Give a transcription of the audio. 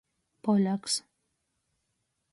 Poļaks.